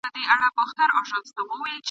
تر څو به جهاني لیکې ویده قام ته نظمونه !.